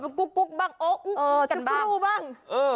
กุ๊กกุ๊กบ้างโอ๊ะจุ๊บกุ๊บกันบ้าง